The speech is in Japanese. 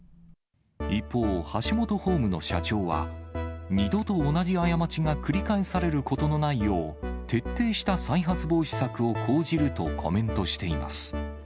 一方、ハシモトホームの社長は、二度と同じ過ちが繰り返されることのないよう、徹底した再発防止策を講じるとコメントしています。